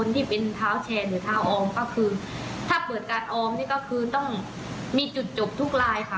ที่เป็นเท้าแชร์หรือเท้าออมก็คือถ้าเปิดการออมนี่ก็คือต้องมีจุดจบทุกลายค่ะ